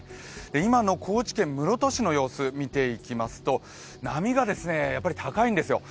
今の高知県室戸市の様子を見ていきますと、波がやっぱり高いんですよ。